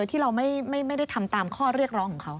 ที่เราไม่ได้ทำตามข้อเรียกร้องของเขา